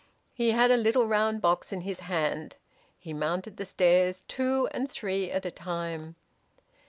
He had a little round box in his hand. He mounted the stairs two and three at a time.